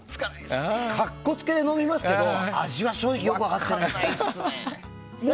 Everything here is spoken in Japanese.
格好つけで飲みますけど味は、正直よく分からないです。